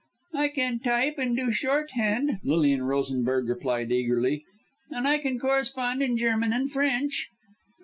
"I can type and do shorthand," Lilian Rosenberg replied eagerly, "and I can correspond in German and French."